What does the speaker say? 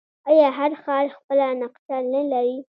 آیا هر ښار خپله نقشه نلري؟